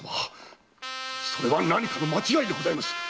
それは何かの間違いでございます